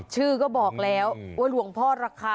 ชื่อก็บอกแล้วว่าหลวงพ่อราคา